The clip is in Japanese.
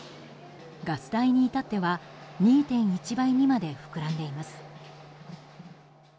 ガス代に至っては２．１倍にまで膨らんでいます。